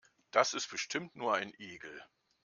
Das ist bestimmt nur ein Igel.